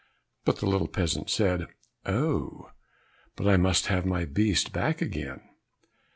But the little peasant said, "Oh, but I must have my beast back again."